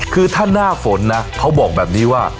คือถ้าหน้าฝนนะเขาบอกแบบนี้ว่า